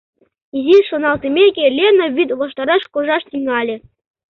Изиш шоналтымеке, Лена вӱд ваштареш куржаш тӱҥале.